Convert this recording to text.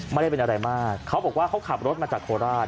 ไม่ได้เป็นอะไรมากเขาบอกว่าเขาขับรถมาจากโคราช